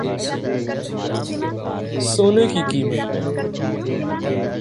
سونے کی قیمت میں